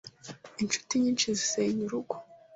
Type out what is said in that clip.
Incuti nyinshi zisenya urugo